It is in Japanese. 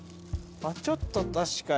ちょっと確かに。